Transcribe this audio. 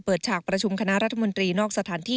ฉากประชุมคณะรัฐมนตรีนอกสถานที่